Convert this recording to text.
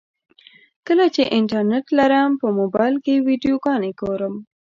کله چې انټرنټ لرم په موبایل کې ویډیوګانې ګورم.